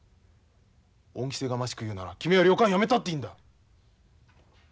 恩着せがましく言うなら君は旅館やめたっていいんだ。